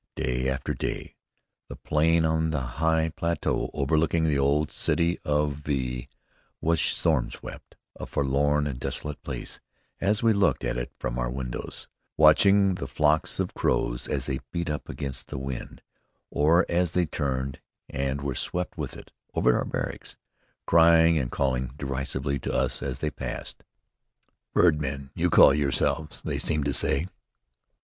Day after day, the plain on the high plateau overlooking the old city of V was storm swept, a forlorn and desolate place as we looked at it from our windows, watching the flocks of crows as they beat up against the wind, or as they turned, and were swept with it, over our barracks, crying and calling derisively to us as they passed. "Birdmen do you call yourselves?" they seemed to say.